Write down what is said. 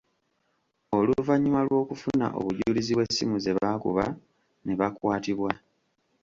Oluvannyuma lw’okufuna obujulizi bw’essimu ze baakuba ne bakwatibwa.